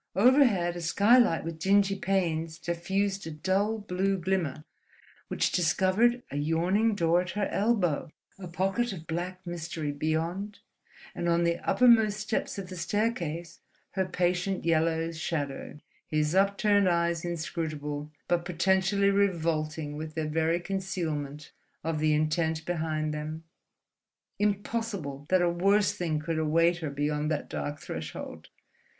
Overhead a skylight with dingy panes diffused a dull blue glimmer which discovered a yawning door at her elbow, a pocket of black mystery beyond, and on the uppermost steps of the staircase her patient yellow shadow, his upturned eyes inscrutable but potentially revolting with their very concealment of the intent behind them. Impossible that a worse thing could await her beyond that dark threshold....